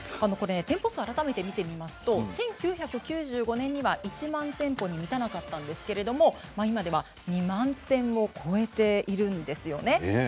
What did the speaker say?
店舗数、改めて見てみますと１９９５年には１万店舗に満たなかったんですが、今では２万店を超えているんです。